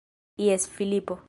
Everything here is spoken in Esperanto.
Jes, Filipo.